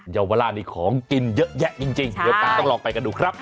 เยาวราชนี้ของกินเยอะแยะจริงเดี๋ยวต้องลองไปกันดูครับ